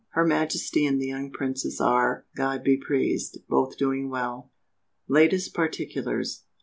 "Her Majesty and the young Princess are, God be praised, both doing well." LATEST PARTICULARS.